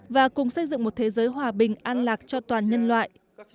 và cùng xây dựng một thế giới hòa bình an lạc cho toàn nhân loại